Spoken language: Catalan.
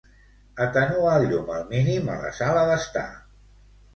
Atenua el llum al mínim a la sala d'estar.